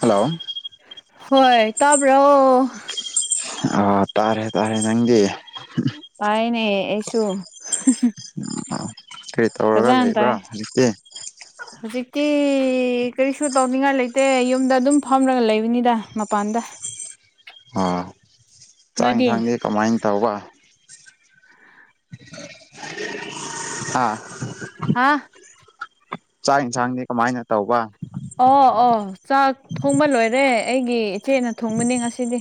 Hello ꯍꯣꯏ ꯇꯕꯔꯣ? ꯑ ꯇꯥꯔꯦ- ꯇꯥꯔꯦ ꯅꯪꯗꯤ? ꯇꯥꯏꯅꯦ ꯑꯩꯁꯨ ꯫ ꯀꯔꯤ ꯇꯧꯔꯒ ꯂꯩꯕ꯭ꯔ ꯍꯧꯖꯤꯛꯇꯤ? ꯀ ꯀꯔꯤꯁꯨ ꯇꯧꯅꯤꯡꯉꯥꯏ ꯂꯩꯇꯦ ꯌꯨꯝꯗ ꯑꯗꯨꯝ ꯐꯝꯔꯒ ꯂꯩꯕꯅꯤꯗ ꯃꯄꯥꯟꯗ ꯫ ꯑ ꯆꯥꯛ ꯌꯦꯟꯁꯥꯡꯗꯤ ꯀꯃꯥꯏꯅ ꯇꯧꯕ? ꯑꯥ ꯍꯥꯥ ꯆꯥꯛ ꯌꯦꯟꯁꯥꯡꯗꯤ ꯀꯃꯥꯏꯅ ꯇꯧꯕ? ꯑꯣ- ꯑꯣ ꯆꯥꯛ ꯊꯣꯡꯕ ꯂꯣꯏꯔꯦ ꯑꯩꯒꯤ ꯏꯆꯦꯅ ꯊꯣꯡꯒꯅꯤ ꯉꯁꯤꯗꯤ꯫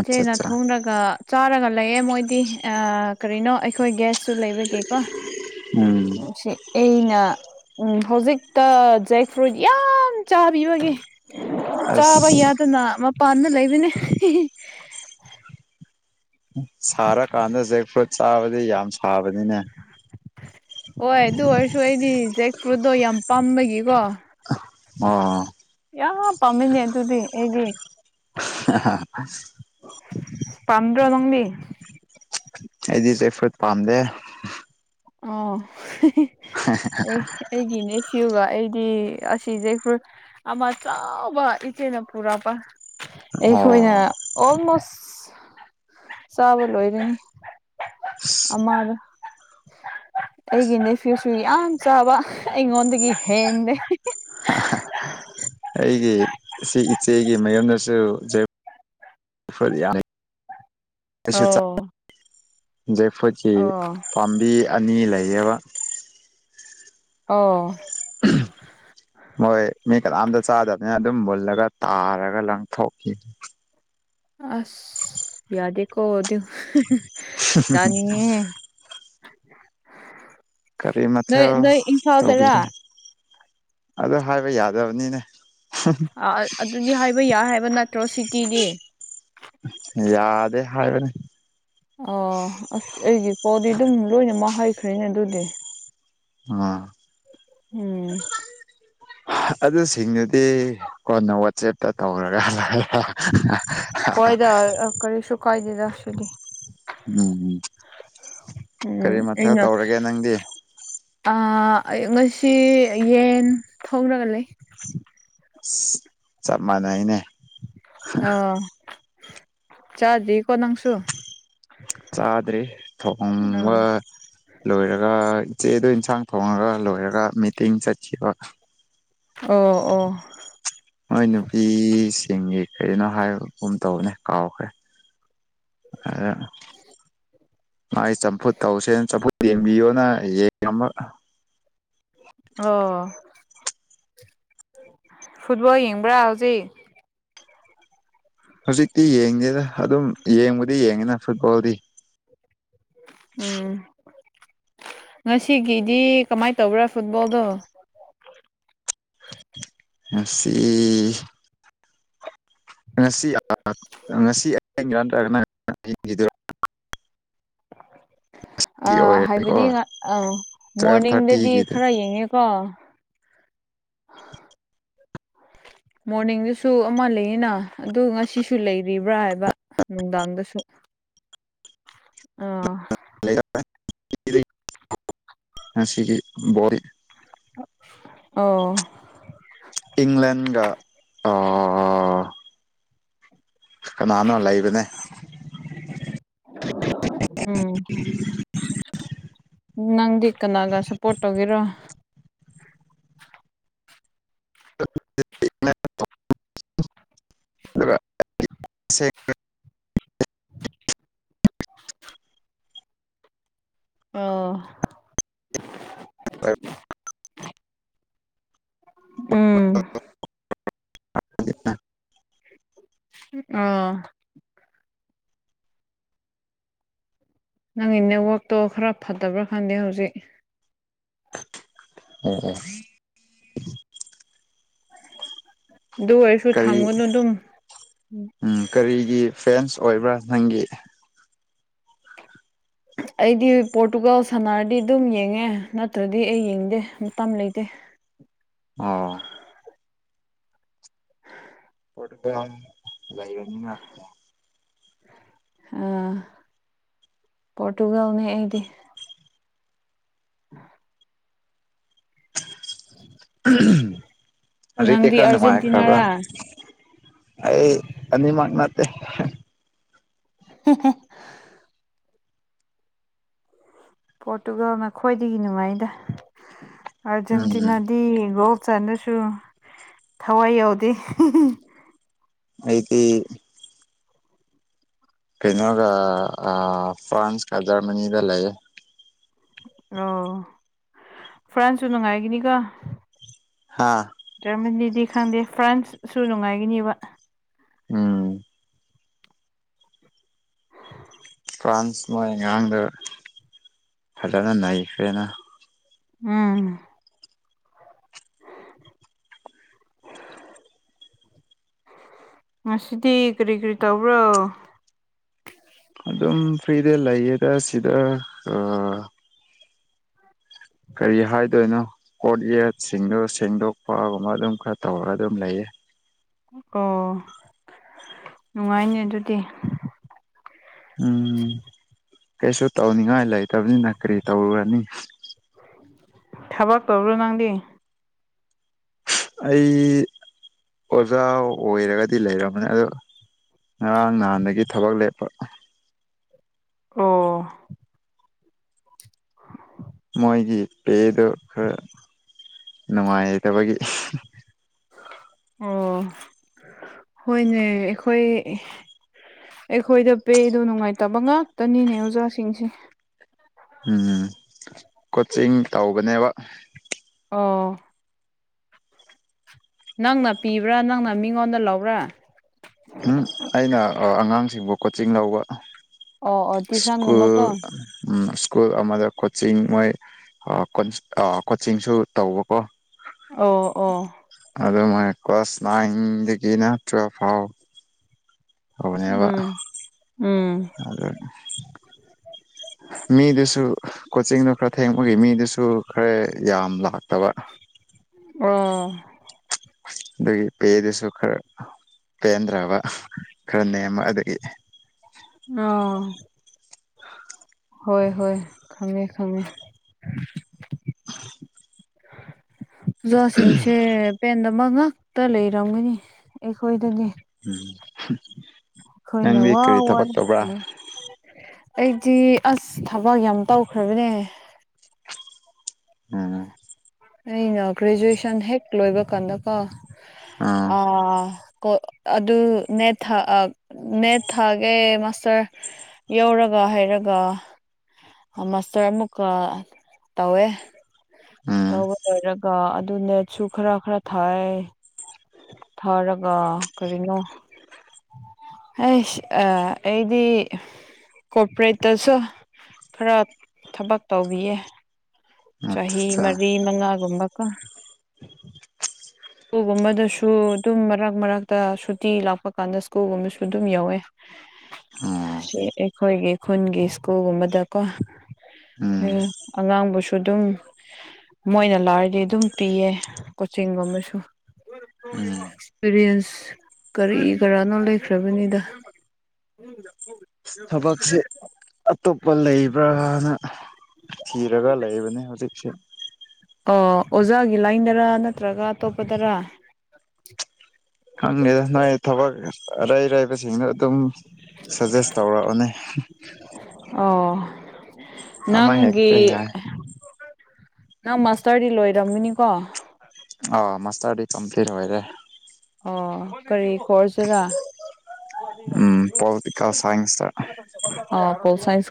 ꯑꯠꯆꯥ ꯆꯦꯅ ꯑꯠꯆꯥ ꯊꯣꯡꯔꯒ ꯆꯥꯔꯒ ꯂꯩꯌꯦ ꯃꯣꯏꯗꯤ ꯑꯥ ꯀꯔꯤꯅꯣ ꯑꯩꯈꯣꯏ ꯒꯌ꯭ꯥꯁꯁꯨ ꯂꯩꯕꯒꯦꯀꯣ꯫ ꯎꯝ ꯁꯤ ꯑꯩꯅ ꯎꯝ ꯍꯧꯖꯤꯛꯇꯖꯦꯛ ꯐ꯭ꯔꯨꯏꯠ ꯌꯥꯝ ꯆꯥꯕꯤꯕꯒꯤ ꯑꯁ ꯆꯥꯕ ꯌꯥꯗꯅ ꯄꯅ ꯂꯩꯕꯅꯦ ꯍꯤ ꯍꯤ ꯁꯥꯔꯀꯥꯟꯗ ꯖꯦꯛ ꯐ꯭ꯔꯨꯠ ꯆꯥꯕꯗꯤ ꯌꯥꯝ ꯁꯥꯕꯅꯤꯅꯦ꯫ ꯍꯣꯏ ꯑꯗꯨ ꯑꯣꯏꯔꯁꯨ ꯑꯩꯗꯤ ꯖꯦꯛ ꯐ꯭ꯔꯨꯠꯇꯣ ꯌꯥꯝ ꯄꯥꯝꯕꯒꯤꯀꯣ ꯑ ꯌꯥ ꯄꯥꯝꯃꯤꯅꯦ ꯑꯗꯨꯗꯤ ꯑꯩꯒꯤ [unintelligible] [unintelligible] ꯑꯩꯗꯤ ꯖꯦꯛ ꯐꯔ꯭ꯨꯠ ꯄꯥꯝꯗꯦ꯫ ꯑꯣ ꯑꯩꯒꯤꯅꯦ꯫ ꯁꯤꯒ ꯑꯩꯗꯤ ꯑꯁꯤ ꯖꯦꯛ ꯐꯔ꯭ꯨꯏꯠ ꯑꯃ ꯆꯥꯎꯕ ꯏꯆꯦꯅ ꯄꯨꯔꯛꯄ꯫ ꯑꯣ ꯑꯩꯈꯣꯏꯅ ꯑꯣꯜꯃꯣꯁ ꯆꯥꯕ ꯂꯣꯏꯔꯅꯤ ꯑꯃ [inaudible] ꯑꯩꯒꯤ ꯅꯦꯐ꯭ꯌꯨꯁꯨ ꯌꯥꯝ ꯆꯥꯕ ꯑꯩꯉꯣꯟꯗꯒꯤ ꯍꯦꯟꯗꯦ꯫ ꯑꯩꯒꯤ ꯁꯤ ꯏꯆꯦ ꯑꯩꯒꯤ ꯃꯌꯨꯝꯗꯁꯨ ꯖꯦꯛ ꯐꯔ꯭ꯨꯠꯇ ꯌꯥꯝ ꯑꯩꯁꯨ ꯑꯣ ꯖꯦꯛ ꯐꯔꯨꯏꯠ ꯀꯤ ꯑꯣ ꯄꯥꯝꯕꯤ ꯑꯅꯤ ꯂꯩꯌꯦꯕ꯫ ꯑꯣ ꯈꯜꯂꯒ ꯇꯥꯔꯒ ꯂꯪꯊꯣꯛꯈꯤ ꯑꯁ ꯌꯥꯗꯦꯀꯣꯗ ꯆꯅꯤꯡ ꯉꯦ ꯍꯦ ꯅꯣꯏ ꯀꯔꯤꯃꯊꯦꯜ ꯅꯣꯏ ꯏꯝꯐꯥꯜꯗꯔꯥ ꯇꯧꯕꯤꯔꯦ? ꯑꯗ ꯍꯥꯏꯕ ꯌꯥꯗꯕꯅꯤꯅꯦ꯫ ꯑ ꯑꯗꯨꯗꯤ ꯍꯥꯏꯕ ꯌꯥꯏ ꯍꯥꯏꯕ ꯅꯠꯇ꯭ꯔꯣ ꯁꯤꯇꯤꯗꯤ꯫ ꯌꯥꯗꯦ ꯍꯥꯏꯕꯅꯤ ꯑ ꯑꯁ ꯑꯩꯒꯤ ꯄꯣꯗꯤ ꯑꯗꯨꯝ ꯂꯣꯏꯅꯃꯛ ꯍꯩꯈ꯭ꯔꯦꯅꯦ ꯑꯗꯨꯗꯤ ꯑꯝ ꯎꯝ ꯑꯗꯨꯁꯤꯡꯗꯨꯗꯤ ꯀꯣꯟꯅ ꯋꯥꯆꯦꯞ ꯇꯅꯒꯂ ꯀꯣꯏꯗꯦꯗꯁꯗꯤ ꯎꯝ ꯎꯝ ꯀꯔꯤ ꯎꯝ ꯃꯊꯊꯧ ꯑꯩꯅ ꯇꯧꯔꯒꯦ ꯅꯪꯗꯤ ꯉꯁꯤ ꯌꯦꯟ ꯊꯣꯡꯅꯒ ꯂꯩ ꯆꯞ ꯃꯥꯟꯅꯩꯅꯦ ꯑ ꯆꯥꯗꯤ ꯀꯣꯅꯥꯪꯁꯨ ꯆꯥꯗ꯭ꯔꯦ ꯊꯣꯡꯕ ꯂꯣꯏꯔꯒ ꯆꯦꯗ ꯏꯟꯁꯥꯡ ꯊꯣꯡꯉꯒ ꯂꯣꯏꯔꯒ ꯃꯤꯇꯤꯡ ꯆꯠꯈꯤꯕ ꯑꯣ ꯑꯣ ꯃꯣꯏ ꯅꯨꯄꯤꯁꯤꯡꯒꯤ ꯀꯅꯣ ꯍꯥꯏꯕꯒꯨꯝ ꯇꯧꯕꯅꯦ ꯀꯥꯎꯈ꯭ꯔꯦ ꯑꯗ ꯃꯥꯏ ꯆꯝꯐꯨꯠ ꯇꯧꯁꯦꯅ ꯆꯝꯐꯨꯠ ꯌꯦꯡꯕꯤꯌꯣꯅ ꯌꯦꯡ ꯑꯣ ꯐꯨꯠꯕꯣꯜ ꯌꯦꯡꯕ꯭ꯔꯥ ꯍꯧꯖꯤꯛ ꯍꯧꯖꯤꯛꯇꯤ ꯌꯦꯡꯗꯦꯗ ꯑꯗꯨꯝ ꯌꯦꯡꯕꯨꯗꯤ ꯌꯦꯡꯉꯤꯅ ꯐꯨꯠꯕꯣꯜꯗꯤ ꯎꯝ ꯉꯁꯤꯒꯤꯗꯤ ꯀꯃꯥꯏꯅ ꯇꯧꯕ꯭ꯔꯥ ꯐꯨꯠꯕꯣꯜꯗꯣ [inaudible] ꯑꯁꯤ ꯉꯁꯤ ꯉꯁꯤ ꯑ ꯅꯠꯇ꯭ꯔꯒ ꯑ ꯍꯥꯏꯕꯗꯤ ꯑꯣꯏꯔꯅꯤꯀꯣ ꯑꯥ ꯇꯨꯋꯦꯜꯞ ꯃꯣꯔꯅꯤꯡꯗꯗꯤ ꯊꯥꯔꯇꯤꯒꯤꯗ ꯈꯔ ꯌꯦꯡꯉꯦꯀꯣ ꯃꯣꯔꯅꯤꯡꯗꯨꯁꯨ ꯑꯃ ꯂꯩꯌꯦꯅ ꯑꯗꯨ ꯉꯁꯤꯁꯨ ꯂꯩꯔꯤꯕ꯭ꯔꯥ ꯍꯥꯏꯕ ꯅꯨꯡꯗꯥꯡꯗꯁꯨ [inaudible] ꯑ ꯁꯤꯒꯤ ꯣꯔ ꯑꯣ ꯏꯪꯂꯦꯟꯒ ꯀꯅꯥꯅꯣ ꯂꯩꯕꯅꯦ ꯎꯝ ꯅꯪꯗꯤ ꯀꯅꯥꯒ ꯁꯞꯄꯣꯔꯠ ꯇꯧꯒꯦꯔꯣ [unintelligible] [inaudible] ꯑ [inaudible] ꯑꯣ ꯎꯝ ꯑꯣ ꯅꯪꯒꯤ ꯅꯦꯠꯋꯥꯛꯇꯣ ꯈꯔ ꯐꯠꯇꯕ꯭ꯔꯥ ꯈꯪꯗꯦ ꯍꯧꯖꯤꯛ ꯎꯝ ꯑꯗꯨ ꯑꯣꯏꯔꯁꯨ ꯀꯔꯤ ꯊꯝꯒꯅꯨ ꯑꯗꯨꯝ ꯎꯝ ꯀꯔꯤꯒꯤ ꯐꯦꯟꯁ ꯑꯣꯏꯕ꯭ꯔꯥ ꯅꯪꯒꯤ ꯑꯩꯗꯤ ꯄꯣꯔꯇꯨꯒꯜ ꯁꯥꯟꯅꯔꯗꯤ ꯑꯗꯨꯝ ꯌꯦꯡꯉꯦ ꯅꯠꯇ꯭ꯔꯗꯤ ꯑꯩ ꯌꯦꯡꯗꯦ ꯃꯇꯝ ꯂꯩꯇꯦ ꯑꯣ ꯄ ꯂꯒꯅꯤ [inaudible] ꯑ ꯄꯣꯔꯇꯨꯒꯜꯅꯤ ꯑꯩꯗꯤ ꯎꯝ ꯖꯤ ꯀ ꯅꯪꯗꯤ ꯈꯔ ꯅꯨꯡꯃꯥꯏ ꯈꯔꯕ ꯑꯥꯔꯖꯦꯟꯇꯤꯅꯥꯔꯥ ꯑꯩ ꯑꯅꯤ ꯃꯥꯛꯅꯠꯇ ꯍ [inaudible] ꯄꯣꯔꯇꯨꯒꯜ ꯅꯈꯣꯏꯗꯒꯤ ꯅꯨꯡꯉꯥꯏꯗ ꯎꯝ ꯑꯥꯔꯖꯦꯟꯇꯤꯅꯥꯗꯤ ꯆꯥꯟꯗꯁꯨ ꯊꯋꯥꯏ ꯌꯥꯎꯗꯦ ꯑꯩꯗꯤ ꯀꯩꯅꯣꯒ ꯐ꯭ꯔꯥꯟꯁꯀ ꯖꯔꯃꯅꯤꯗ ꯂꯩꯌꯦ ꯑ ꯐ꯭ꯔꯥꯟꯁꯁꯨ ꯅꯨꯡꯉꯥꯏꯒꯤꯅꯤꯒ ꯍꯥꯥ ꯖꯔꯃꯅꯤꯗꯤ ꯈꯪꯗꯦ ꯐ꯭ꯔꯥꯟꯁꯁꯨ ꯅꯨꯡꯉꯥꯏꯈꯤꯅꯦꯕ ꯎꯝ ꯐ꯭ꯔꯥꯟꯁ ꯃꯣꯏ ꯑꯉꯥꯡꯗ ꯐꯖꯅ ꯅꯩꯈ꯭ꯔꯦꯅ ꯎꯝ ꯉꯁꯤꯗꯤ ꯀꯔꯤ ꯀꯔꯤ ꯇꯧꯕ꯭ꯔꯣ ꯑꯗꯨꯝ ꯐ꯭ꯔꯤꯗ ꯂꯩꯌꯦꯗ ꯁꯤꯗ ꯀꯔꯤ ꯍꯥꯏꯗꯣꯏꯅꯣ ꯀꯣꯔꯣꯠ ꯌꯦꯠꯁꯤꯡꯗꯣ ꯁꯦꯡꯗꯣꯛꯄꯒꯨꯝꯕ ꯑꯗꯨꯝ ꯈꯔ ꯇꯧꯔꯒ ꯑꯗꯨꯝ ꯂꯩꯌꯦ ꯑꯣ ꯅꯨꯡꯉꯥꯏꯅꯤ ꯑꯗꯨꯗꯤ ꯎꯝ [inaudible] ꯀꯩꯁꯨ ꯇꯧꯅꯤꯡꯉꯥꯏ ꯂꯩꯇꯕꯅꯤꯅ ꯀꯔꯤ ꯇꯧꯔꯨꯔꯅꯤ ꯊꯕꯛ ꯇꯧꯕ꯭ꯔꯣ ꯅꯪꯗꯤ ꯑꯩ ꯑꯣꯖꯥ ꯑꯣꯏꯔꯒꯗꯤ ꯂꯩꯔꯝꯕꯅꯦ ꯑꯗꯣ ꯉꯔꯥꯡ ꯅꯍꯥꯟꯗꯒꯤ ꯊꯕꯛ ꯂꯦꯞꯄ ꯑꯣ ꯃꯣꯏꯒꯤ ꯄꯦꯗꯣ ꯈꯔ ꯅꯨꯡꯉꯥꯏꯇꯕꯒꯤ ꯑꯣ ꯍꯣꯏꯅꯦ ꯑꯩꯈꯣꯏ ꯑꯩꯈꯣꯏꯗ ꯄꯦꯗꯣ ꯅꯨꯡꯉꯥꯏꯇꯕ ꯉꯥꯛꯇꯅꯤꯅꯦ ꯑꯣꯖꯥꯁꯤꯡꯁꯦ ꯎꯝ ꯀꯣꯆꯤꯡ ꯇꯧꯕꯅꯦꯕ ꯑꯣꯥ ꯅꯪꯅ ꯄꯤꯕ꯭ꯔꯥ ꯅꯪꯅ ꯃꯤꯉꯣꯟꯗ ꯂꯧꯕ꯭ꯔꯥ ꯎꯝ ꯑꯩꯅ ꯑꯉꯥꯡꯁꯤꯡꯕꯨ ꯀꯣꯆꯤꯡ ꯂꯧꯕ ꯑꯣ ꯑꯣ ꯇ꯭ꯌꯨꯁꯟꯒꯨꯝꯕ ꯁꯀꯨꯜ ꯀꯣ ꯎꯝ ꯁ꯭ꯀꯨꯜ ꯑꯃꯗ ꯀꯣꯆꯤꯡ ꯃꯣꯏ ꯀꯣꯆꯤꯡꯁꯨ ꯇꯧꯕꯀꯣ ꯑꯣ ꯑꯣ ꯑꯗꯨ ꯃ ꯀ꯭ꯂꯥꯁ ꯅꯥꯏꯟꯗꯒꯤꯅ ꯇꯨꯋꯦꯜꯐ ꯐꯥꯎ ꯍꯅꯦ [inaudible] ꯕ ꯎꯝ ꯎꯝ ꯑ [inaudible] ꯃꯤꯗꯨꯁꯨ ꯀꯣꯆꯤꯡꯗꯣ ꯈꯔ ꯊꯦꯡꯕꯒꯤ ꯃꯤꯗꯨꯁꯨ ꯈꯔ ꯌꯥꯝ ꯂꯥꯛ ꯇꯕ ꯑꯥ ꯑꯗꯒꯤ ꯄꯦꯗꯨꯁꯨ ꯈꯔ ꯄꯦꯟꯗ꯭ꯔꯕ ꯈꯔ ꯅꯦꯝꯃꯛ ꯑꯗꯒꯤ ꯑꯣ ꯍꯣꯏ ꯍꯣꯏ ꯈꯪꯉꯦ ꯈꯪꯉꯦ ꯎꯖꯥꯁꯤꯡꯁꯦ ꯄꯦꯟ ꯑꯃ ꯉꯇ ꯂꯩꯔꯝꯒꯅꯤ ꯑꯩꯈꯣꯏꯗꯗꯤ ꯎꯝ ꯈꯣꯏꯅ ꯅꯪꯗꯤ ꯋꯥ ꯀꯔꯤ ꯋꯥ ꯊꯕꯛ ꯇꯧꯕ꯭ꯔꯥ ꯑꯩꯗꯤ ꯑꯁ ꯊꯕꯛ ꯌꯥꯝ ꯇꯧꯈ꯭ꯔꯕꯅꯦ ꯎꯝ ꯑꯩꯅ ꯒ꯭ꯔꯦꯖꯨꯑꯦꯁꯟ ꯍꯦꯛ ꯂꯣꯏꯕ ꯀꯥꯟꯗꯀꯣ ꯑꯥ ꯀꯣꯛ ꯑꯗꯨ ꯅꯦꯠ ꯊ ꯅꯦꯠ ꯊꯥꯒꯦ ꯃꯥꯁꯇꯔ ꯌꯧꯔꯒ ꯍꯥꯏꯔꯒ ꯃꯥꯁꯇꯔ ꯑꯃꯨꯛꯀ ꯇꯧꯋꯦ ꯎꯝ ꯇꯧꯕ ꯂꯣꯏꯔꯒ ꯑꯗꯨꯅꯦꯁꯨ ꯈꯔ ꯈꯔ ꯊꯥꯏ ꯊꯥꯔꯒ ꯀꯔꯤꯅꯣ ꯑꯩꯁ ꯑꯩꯗꯤ ꯀꯣꯄꯔꯦꯠꯇꯁꯨ ꯈꯔ ꯊꯕꯛ ꯇꯧꯕꯤꯌꯦ ꯆꯍꯤ ꯑꯠꯆꯥ ꯃꯔꯤ ꯃꯉꯥꯒꯨꯝꯕꯀꯣ ꯁ꯭ꯀꯨꯜꯒꯨꯝꯕꯗꯁꯨ ꯑꯗꯨꯝ ꯃꯔꯛ ꯃꯔꯛꯇ ꯁꯨꯇꯤ ꯂꯥꯛꯄ ꯀꯥꯟꯗ ꯁ꯭ꯀꯨꯜꯒꯨꯝꯕꯁꯨ ꯑꯗꯨꯝ ꯌꯧꯋꯦ [unintelligible] ꯑꯩꯈꯣꯏꯒꯤ ꯈꯨꯟꯒꯤ ꯁ꯭ꯀꯨꯜꯒꯨꯝꯕꯗꯀꯣ ꯎꯝ ꯑꯉꯥꯡꯕꯨꯁꯨ ꯑꯗꯨꯝ ꯃꯣꯏꯅ ꯂꯥꯏꯔꯗꯤ ꯑꯗꯨꯝ ꯄꯤꯌꯦ ꯀꯣꯆꯤꯡ ꯁꯤꯡ ꯒꯨꯝꯕꯁꯨ ꯎꯝ ꯑꯦꯛꯁꯄꯤꯔꯤꯌꯦꯟꯁ ꯀꯔꯤ ꯀꯔꯥꯅꯣ ꯂꯩꯈ꯭ꯔꯕꯅꯤꯗ [unintelligible] ꯊꯕꯛꯁꯤ ꯑꯇꯣꯞꯄ ꯂꯩꯕ꯭ꯔꯅ ꯊꯤꯔꯒ ꯂꯩꯕꯅꯤ ꯍꯧꯖꯤꯛꯁꯦ ꯑꯣ ꯑꯣꯖꯥꯒꯤ ꯂꯥꯏꯟꯗꯔ ꯅꯠꯇ꯭ꯔꯒ ꯑꯇꯣꯞꯄꯗꯔ ꯈꯪꯉꯦꯗ ꯅꯣꯏ ꯊꯕꯛ ꯑꯔꯩ ꯑꯔꯥꯏꯕꯁꯤꯡꯗ ꯑꯗꯨꯝ ꯁꯖꯦꯁ ꯇꯧꯔꯛꯑꯣꯅꯦ ꯑꯣ ꯑꯃ ꯍꯦꯛꯇ ꯅꯪꯒꯤ ꯌꯥꯏ ꯅꯪ ꯃꯥꯁꯇꯔꯗꯤ ꯂꯣꯏꯔꯝꯃꯤꯅꯤꯀꯣ ꯑ ꯃꯥꯁꯇꯔꯗꯤ ꯀꯝꯄꯂꯤꯠ ꯑꯣꯏꯔꯦ ꯑꯣ ꯀꯔꯤ ꯈꯔꯁꯤꯔꯥ ꯎꯝ ꯄꯣꯂꯤꯇꯤꯀꯦꯜ ꯁꯥꯏꯟꯁꯇ [unintelligible]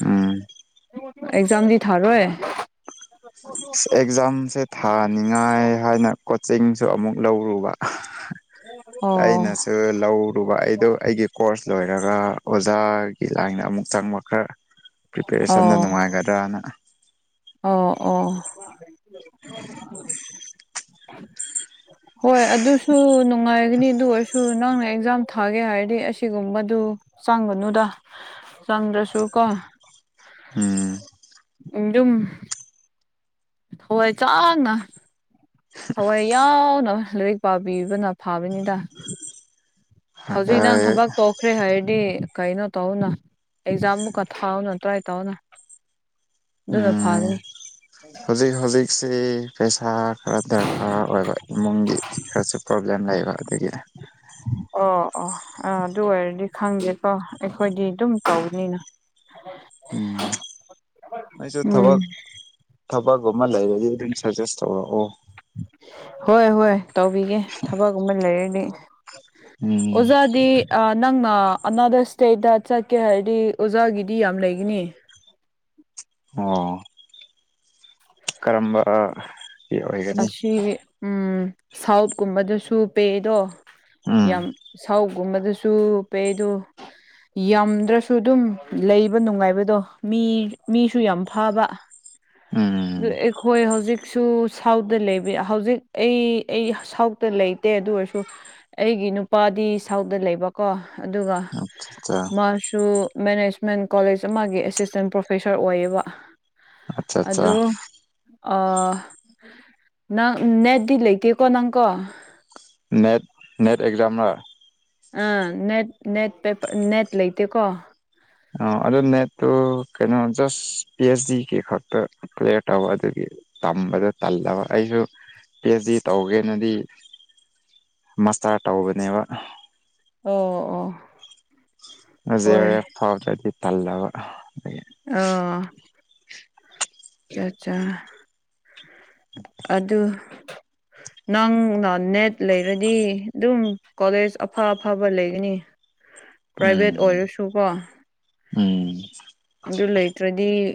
ꯎꯝ ꯑꯦꯛꯖꯝꯗꯤ ꯊꯥꯔꯣꯏꯋꯦ ꯑꯦꯛꯖꯥꯝꯁꯦ ꯊꯥꯅꯤꯉꯥꯏ ꯍꯥꯏꯅ ꯀꯣꯆꯤꯡꯁꯨ ꯑꯃꯨꯛ ꯂꯧꯔꯨꯕ ꯑꯣ ꯑꯩꯅꯁꯨ ꯂꯧꯔꯨꯕ ꯑꯩꯗꯣ ꯑꯩꯒꯤ ꯀꯣꯔꯁ ꯂꯣꯏꯔꯒ ꯑꯣꯖꯥꯒꯤ ꯂꯥꯏꯟꯗ ꯑꯃꯨꯛ ꯆꯪꯕ ꯈꯔ ꯄ꯭ꯔꯤꯄꯦꯔꯦꯁꯟꯗ ꯑꯣ ꯅꯨꯡꯉꯥꯏꯒꯗ꯭ꯔꯥꯅ ꯑꯣ ꯑꯣ ꯍꯣꯏ ꯑꯗꯨꯁꯨ ꯅꯨꯡꯉꯥꯏꯒꯅꯤ ꯑꯗꯨ ꯑꯣꯏꯔꯁꯨ ꯅꯪꯅ ꯑꯦꯛꯖꯥꯝ ꯊꯥꯒꯦ ꯍꯥꯏꯔꯗꯤ ꯑꯁꯤꯒꯨꯝꯕꯗꯨ ꯆꯪꯒꯅꯨꯗ ꯆꯪꯗ꯭ꯔꯁꯨ ꯀꯣ ꯎꯝ ꯑꯗꯨꯝ ꯊꯋꯥꯏ ꯆꯥꯡꯅ ꯊꯋꯥꯏ ꯌꯥꯎꯅ ꯂꯥꯏꯔꯤꯛ ꯄꯥꯕꯤꯕꯅ ꯐꯥꯕꯅꯤꯗ ꯍꯧꯖꯤꯛ ꯅꯪ ꯑꯗ ꯊꯕꯛ ꯇꯣꯈ꯭ꯔꯦ ꯍꯥꯏꯌꯦ ꯗꯤ ꯀꯩꯅꯣ ꯇꯧꯅ ꯑꯦꯛꯖꯥꯝꯃꯨꯛꯀ ꯊꯥꯎꯅ ꯇ꯭ꯔꯥꯏ ꯇꯧꯅ ꯑꯗꯨꯅ ꯐꯥꯒꯅꯤ ꯁꯤ ꯄꯩꯁꯥ ꯈꯔ ꯗꯔꯀꯥꯔ ꯑꯣꯏꯕ ꯏꯃꯨꯡꯒꯤ ꯈꯔꯁꯨ ꯄ꯭ꯔꯣꯕ꯭ꯂꯦꯝ ꯂꯩꯕ ꯑꯗꯒꯤ [unintelligible] ꯑꯣ ꯑꯣ ꯑꯥ ꯑꯗꯨ ꯑꯣꯏꯔꯗꯤ ꯈꯪꯗꯦꯀꯣ ꯑꯩꯈꯣꯏꯗꯤ ꯑꯗꯨꯝ ꯇꯧꯅꯤꯅ ꯎꯝ ꯑꯩꯁꯨ ꯎꯝ ꯊꯕꯛ ꯊꯕꯛ ꯃ ꯂꯩꯔ ꯑꯗꯨꯝ ꯁꯖꯦꯁ ꯇꯧ ꯑꯣ ꯍꯣꯏ ꯍꯣꯏ ꯇꯧꯕꯤꯒꯦ ꯊꯕꯛꯨꯝ ꯑꯃ ꯂꯩꯔꯅꯤ ꯎꯝ ꯑꯣꯖꯥꯗꯤ ꯅꯪꯅ ꯑꯅꯥꯗꯔ ꯏꯁꯇꯦꯗꯠꯇ ꯆꯠꯀꯦ ꯍꯥꯏꯔꯗꯤ ꯑꯣꯖꯥꯒꯤꯗꯤ ꯌꯥꯝ ꯂꯩꯒꯅꯤ ꯑꯣ ꯀꯔꯝꯕ ꯒꯤ ꯑꯣꯏꯒꯅꯤ ꯑꯁꯤ ꯎꯝ ꯁꯥꯎꯠꯀꯨꯝꯕꯗꯁꯨ ꯄꯦꯗꯣ ꯎꯝ ꯌꯥꯝ ꯁꯥꯎꯒꯨꯝꯕꯗꯁꯨ ꯄꯩꯗꯣ ꯌꯥꯝꯗ꯭ꯔꯁꯨ ꯑꯗꯨꯝ ꯂꯩꯕ ꯅꯨꯡꯉꯥꯏꯕꯗꯣ ꯃꯤ ꯃꯤꯁꯨ ꯌꯥꯝ ꯐꯥꯕ ꯎꯝ ꯈꯣꯏ ꯍꯧꯖꯤ ꯍꯧꯖꯤꯛꯁꯨ ꯁꯥꯎꯠꯇ ꯂꯩꯕ ꯍꯧꯖꯤꯛ ꯑꯩ ꯑꯩ ꯁꯥꯎꯠꯇ ꯂꯩꯇꯦ ꯑꯗꯨ ꯑꯣꯏꯔꯁꯨ ꯑꯩꯒꯤ ꯅꯨꯄꯥꯗꯤ ꯁꯥꯎꯠꯇ ꯂꯩꯕꯀꯣ ꯑꯗꯨꯒ ꯑꯆꯥ ꯃꯥꯁꯨ ꯃꯦꯅꯦꯖꯃꯦꯟ ꯀꯣꯂꯦꯖ ꯑꯃꯒꯤ ꯑꯦꯁꯤꯁꯇꯦꯟ ꯄ꯭ꯔꯣꯐꯦꯁꯔ ꯑꯣꯏꯌꯦꯕ ꯑꯆꯥ ꯑꯆꯥ ꯑꯗ ꯑ ꯅꯪ ꯅꯦꯠꯗꯤ ꯂꯩꯇꯦꯀꯣ ꯅꯪꯀꯣ ꯅꯦꯠ ꯅꯦꯠ ꯑꯦꯛꯖ꯭ꯔꯝꯔ ꯑꯥ ꯅꯦꯠ ꯅꯦꯠ ꯄꯦꯄ ꯅꯦꯠ ꯂꯩꯇ ꯀꯣ ꯑ ꯑꯗꯨ ꯅꯦꯠꯇꯨ ꯀꯩꯅꯣ ꯖꯁ ꯄꯤ ꯑꯩꯆ ꯗꯤꯒꯤ ꯈꯛꯇꯄ꯭ꯂꯌꯔ ꯇꯧꯕ ꯑꯗꯨꯒꯤ ꯇꯝꯕꯗ ꯇꯜꯂꯕ ꯑꯩꯁꯨ ꯄꯤ ꯑꯩꯆ ꯗꯤ ꯇꯧꯒꯦꯅꯗꯤ ꯃꯁꯥꯠꯧꯕꯅꯦꯕ ꯑꯣ ꯑꯣ ꯍꯣꯏ ꯖꯤꯦꯦ ꯐꯥꯎꯇ ꯇꯜꯕ ꯑ ꯆꯥ ꯑꯗꯨꯗ ꯍ ꯅꯪꯅ ꯅꯦꯠ ꯂꯩꯔꯗꯤ ꯑꯗꯨꯝ ꯀꯣꯂꯦꯖ ꯑꯐ ꯑꯐꯕ ꯂꯩꯒꯅꯤ ꯄ꯭ꯔꯥꯏꯚꯦꯠ ꯎꯝ ꯑꯣꯏꯔꯁꯨꯀꯣ ꯎꯝ ꯑꯗꯨ ꯂꯩꯇ꯭ꯔꯗꯤ